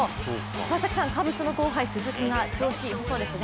川崎さん、カブスの後輩鈴木が調子よさそうですね。